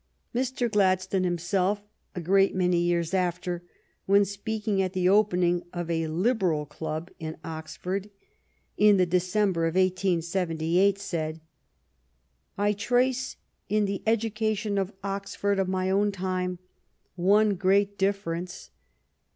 Mr. Gladstone him self, a great many years after, when speaking at the opening of a Liberal club in Oxford in the December of 1878, said: "I trace in the educa tion of Oxford of my own time one great differ ETON AND OXFORD 1 9 ence.